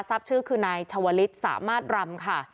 ทรัพย์ชื่อคือนายชวลิสสามารถรำค่ะ